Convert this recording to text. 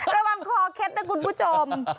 ระวังคอเคล็ดนะคุณผู้ชม